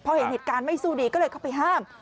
พอเห็นเหตุการณ์ไม่สู้ดีก็เลยเข้าไปห้าม